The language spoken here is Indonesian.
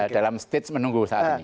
dalam stage menunggu saat ini